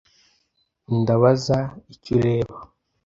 Ndabaza icyo ureba.